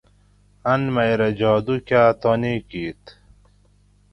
"ان مئ رہ جادُو کاۤ تانی کِیت"""